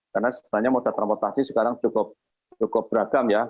karena sebenarnya moda transportasi sekarang cukup beragam ya